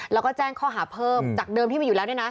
แล้วก็แจ้งข้อหาเพิ่มจากเดิมที่มีอยู่แล้วเนี่ยนะ